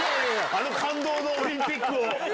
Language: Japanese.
感動のオリンピックを。